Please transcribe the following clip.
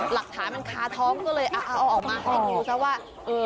หลักฐานมันคาท้องก็เลยเอาออกมาให้ดูซะว่า